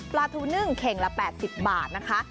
ปลาทูนึ่งเข่งละ๘๐บาทนะคะ